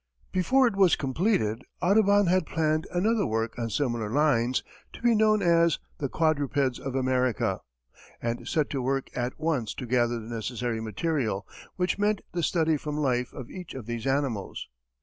Before it was completed, Audubon had planned another work on similar lines, to be known as "The Quadrupeds of America," and set to work at once to gather the necessary material, which meant the study from life of each of these animals.